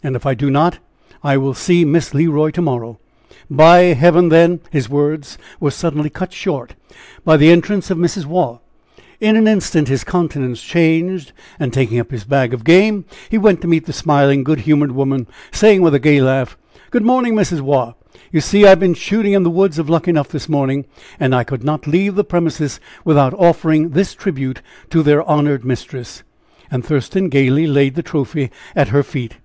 "And if I do not?" "I will see Miss Le Roy, to morrow!" "By heaven, then " His words were suddenly cut short by the entrance of Mrs. Waugh. In an instant his countenance changed, and taking up his bag of game, he went to meet the smiling, good humored woman, saying with a gay laugh: "Good morning, Mrs. Waugh! You see I have been shooting in the woods of Luckenough this morning, and I could not leave the premises without offering this tribute to their honored mistress." And Thurston gayly laid the trophy at her feet.